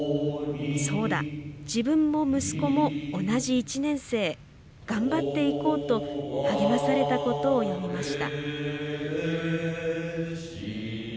「そうだ自分も息子も同じ１年生頑張っていこう」と励まされたことを詠みました。